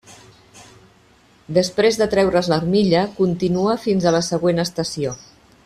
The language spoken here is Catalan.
Després de treure's l'armilla, continua fins a la següent estació.